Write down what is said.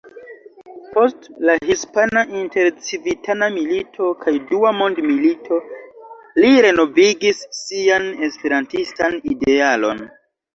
Post la hispana intercivitana milito kaj dua mondmilito li renovigis sian esperantistan idealon.